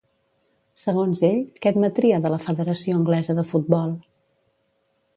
Segons ell, què admetria de la Federació Anglesa de Futbol?